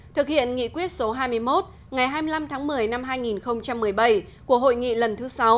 thực hiện nghị quyết số hai mươi một ngày hai mươi năm tháng một mươi năm hai nghìn một mươi bảy của hội nghị lần thứ sáu